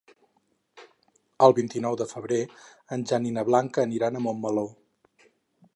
El vint-i-nou de febrer en Jan i na Blanca aniran a Montmeló.